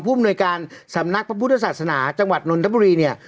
อำนวยการสำนักพระพุทธศาสนาจังหวัดนนทบุรีเนี่ย